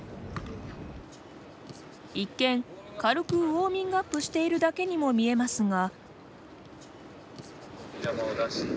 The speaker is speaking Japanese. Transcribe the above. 一見、軽くウオーミングアップしているだけにも見えますが。